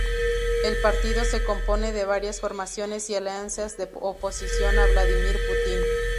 El partido se compone de varias formaciones y alianzas de oposición a Vladimir Putin.